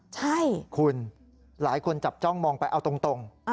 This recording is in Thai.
ใช่คุณหลายคนจับจ้องมองไปเอาตรง